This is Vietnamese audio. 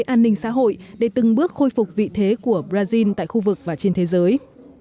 an ninh xã hội để từng bước khôi phục vị thế của brazil tại khu vực và trên thế giới